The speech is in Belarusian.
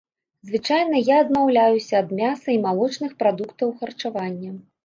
Звычайна я адмаўляюся ад мяса і малочных прадуктаў харчавання.